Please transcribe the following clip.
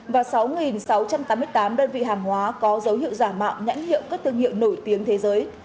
và sáu sáu trăm tám mươi tám đơn vị hàng hóa có dấu hiệu giả mạo nhãn hiệu các thương hiệu nổi tiếng thế giới